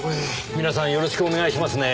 皆さんよろしくお願いしますね。